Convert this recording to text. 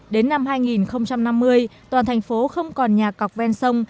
đến năm hai nghìn năm mươi toàn thành phố không còn nhà cọc ven sông